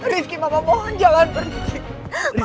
rizky mama mohon jalan pergi